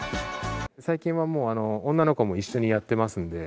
最近はもう女の子も一緒にやってますんで。